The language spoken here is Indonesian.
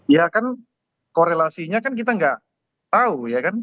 ya kan korelasinya kan kita gak